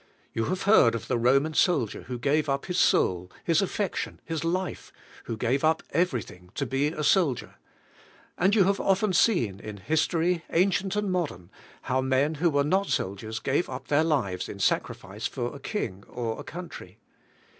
You have heard of the Roman soldier who gave up his soul, his affection, his life, who gave up ever}^ thing, to be a soldier; and you have often seen, in history ancient and modern, how men w^ho were not soldiers gave up their lives in sacrifice for a king or a country.